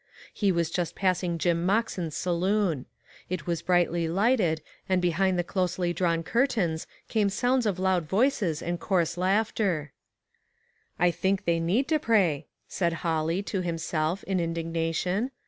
He was just passing Jim Moxen's saloon. It was brightly lighted, and behind the closely drawn cur tains came sounds of loud voices and coarse laughter. " I think they need to pray," said Holly, to himself, in indignation.